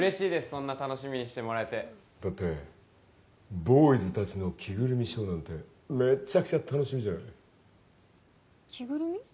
そんな楽しみにしてもらえてだってボーイズ達の着ぐるみショーなんてめっちゃくちゃ楽しみじゃない着ぐるみ？